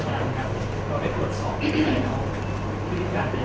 ถ้ามีการคู่กันได้